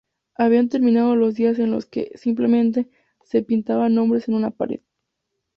Habían terminado los días en los que, simplemente, se pintaban nombres en una pared.